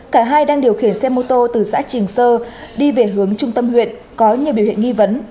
cả hai đang điều khiển xe mô tô từ xã trường sơ đi về hướng trung tâm huyện có nhiều biểu hiện nghi vấn